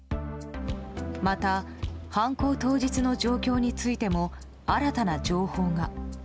また、犯行当日の状況についても新たな情報が。